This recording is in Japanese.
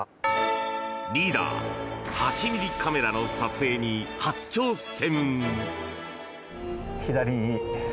リーダー８ｍｍカメラの撮影に初挑戦。